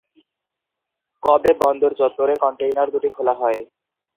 কবে বন্দর চত্বরে কনটেইনার দুটি খোলা হয়?